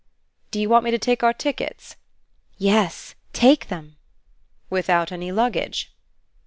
"Do you want me to take our tickets?" "Yes, take them." "Without any luggage?"